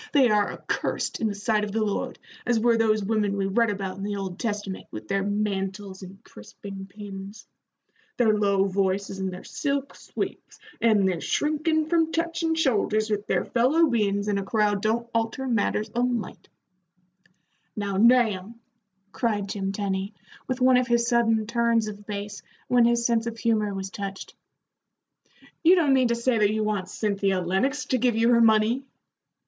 They are accursed in the sight of the Lord, as were those women we read about in the Old Testament, with their mantles and crisping pins. Their low voices and their silk sweeps and their shrinkin' from touchin' shoulders with their fellow beings in a crowd don't alter matters a mite." "Now, Nahum," cried Jim Tenny, with one of his sudden turns of base when his sense of humor was touched, "you don't mean to say that you want Cynthia Lennox to give you her money?"